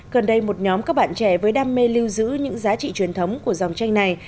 gần đây một nhóm các bạn trẻ với đam mê lưu giữ những giá trị truyền thống của dòng tranh này